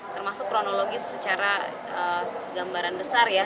termasuk kronologis secara gambaran besar ya